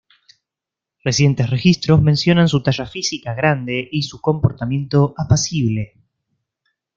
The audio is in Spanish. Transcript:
Recientes registros mencionan su talla física grande y su comportamiento apacible.